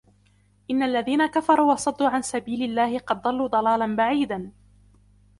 إِنَّ الَّذِينَ كَفَرُوا وَصَدُّوا عَنْ سَبِيلِ اللَّهِ قَدْ ضَلُّوا ضَلَالًا بَعِيدًا